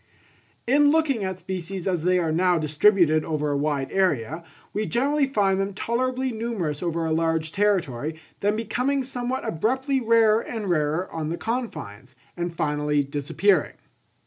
In looking at species as they are now distributed over a wide area, we generally find them tolerably numerous over a large territory, then becoming somewhat abruptly rarer and rarer on the confines, and finally disappearing.